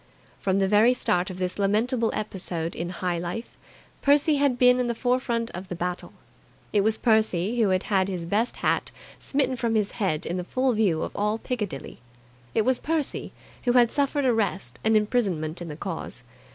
From the very start of this lamentable episode in high life, Percy had been in the forefront of the battle. It was Percy who had had his best hat smitten from his head in the full view of all Piccadilly. It was Percy who had suffered arrest and imprisonment in the cause.